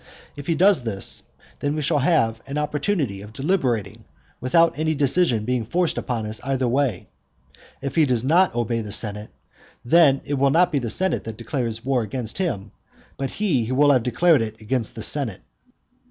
If he does this, then we shall have an opportunity of deliberating without any decision being forced upon us either way. If he does not obey the senate, then it will not be the senate that declares war against him, but he who will have declared it against the senate.